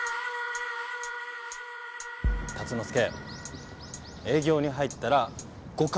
竜之介営業に入ったら五感を。